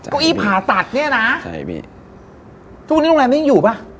เก้าอี้ผาสัตว์นี่นะโรงแรมนี่ยังอยู่เปล่า